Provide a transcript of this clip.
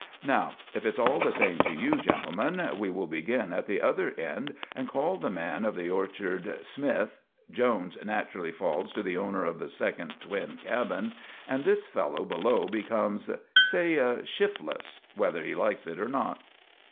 Now, if it's all the same to you, gentlemen, we will begin at the other end and call the man of the orchard 'Smith.' 'Jones' naturally falls to the owner of the second twin cabin, and this fellow below becomes say, 'Shifless,' whether he likes it or not."